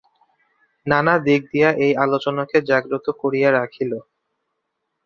নানা দিক দিয়া এই আলোচনাকে জাগ্রত করিয়া রাখিল।